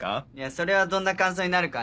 それはどんな感想になるかはね